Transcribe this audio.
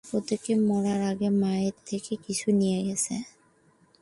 প্রত্যেকেই মরার আগে মায়ের থেকে কিছু নিয়ে গেছে।